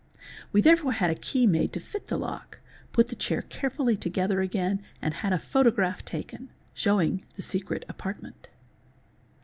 We therefore had a key made to fit the lock, put the chair carefully together again, and had a photograph taken, showing the secret apartment.